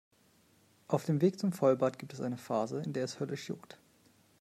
Auf dem Weg zum Vollbart gibt es eine Phase, in der es höllisch juckt.